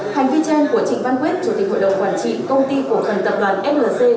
hành vi trên của trịnh văn quyết chủ tịch hội đồng quản trị công ty cổ phần tập đoàn flc